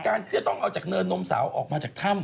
จะต้องเอาจากเนินนมสาวออกมาจากถ้ำ